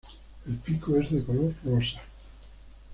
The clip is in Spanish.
El pico es de color rosa.